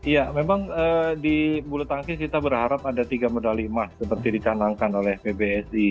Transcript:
ya memang di bulu tangkis kita berharap ada tiga medali emas seperti dicanangkan oleh pbsi